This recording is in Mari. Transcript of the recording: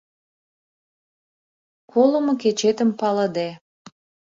Колымо кечетым палыде...